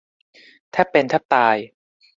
แทบเป็นแทบตาย